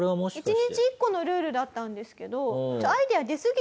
１日１個のルールだったんですけど。